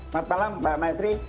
selamat malam mbak maitri